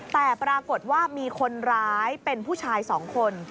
แต่ปรากฏว่ามีคนร้ายเป็นผู้ชาย๒คน